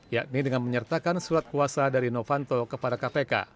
yakni dengan menyertakan surat kuasa dari novanto kepada kpk